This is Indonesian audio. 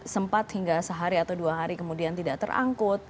sempat hingga sehari atau dua hari kemudian tidak terangkut